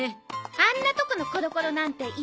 あんなとこのコロコロなんていらなーい。